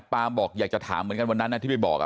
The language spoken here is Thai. ปามบอกอยากจะถามเหมือนกันวันนั้นที่ไปบอก